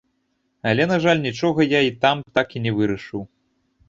Але, на жаль, нічога я і там так і не вырашыў.